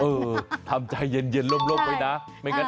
เออทำใจยึนล่มเลยนะ